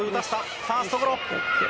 ファーストゴロ。